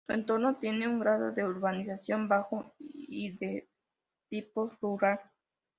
Su entorno tiene un grado de urbanización bajo y de tipo rural.